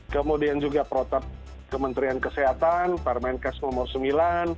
kemudian juga perotap kementerian kesehatan parmenkas nomor sembilan